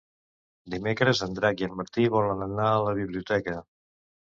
Dimecres en Drac i en Martí volen anar a la biblioteca.